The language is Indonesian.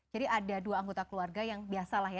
jadi ada dua anggota keluarga yang biasa lah ya